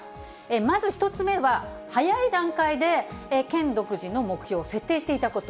まず１つ目は、早い段階で県独自の目標を設定していたこと。